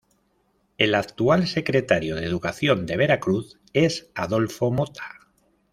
El actual secretario de Educación de Veracruz es Adolfo Mota.